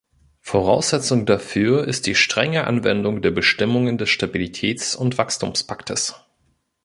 Voraussetzung dafür ist die strenge Anwendung der Bestimmungen des Stabilitäts- und Wachstumspaktes.